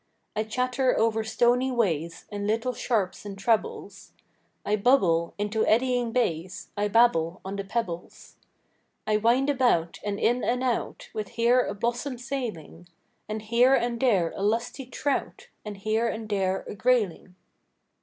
I chatter over stony ways, In little sharps and trebles, I bubble into eddying bays, I babble on the pebbles. I wind about, and in and out, With here a blossom sailing, And here and there a lusty trout, And here and there a grayling.